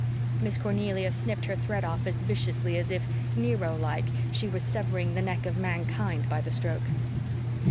Miss Cornelia snipped her thread off as viciously as if, Nero like, she was severing the neck of mankind by the stroke.